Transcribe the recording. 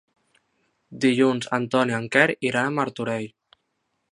Dilluns en Ton i en Quer iran a Martorell.